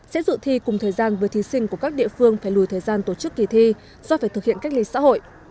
sẽ dự thi cùng thời gian với thí sinh của các địa phương phải lùi thời gian tổ chức kỳ thi do phải thực hiện cách ly xã hội